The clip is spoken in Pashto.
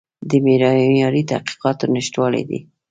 د معیاري تحقیقاتو نشتوالی دی.